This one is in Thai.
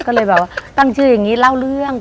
ก็เลยแบบว่าตั้งชื่ออย่างนี้เล่าเรื่อง